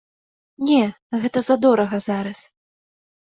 Не, гэта задорага зараз.